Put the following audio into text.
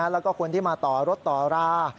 แล้วก็คนที่มาต่อรถต่อรา